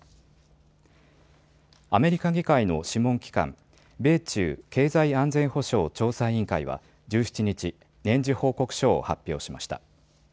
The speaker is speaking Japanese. アメリカ議会の諮問機関、米中経済安全保障調査委員会は１７日、年次報告書を発表しました。